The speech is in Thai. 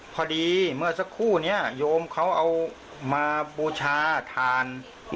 พอดีเมื่อสักครู่นี้โยมเขาเอามาบูชาฐาน